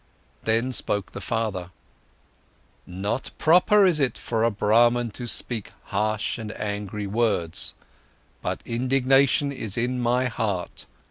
Then spoke the father: "Not proper it is for a Brahman to speak harsh and angry words. But indignation is in my heart.